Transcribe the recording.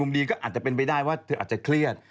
มันอาจจะเครียด